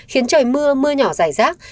khiến trời mưa mưa nhỏ rải rác